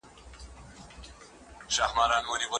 د ټولني جوړښت باید په دقیق ډول وڅیړل سي.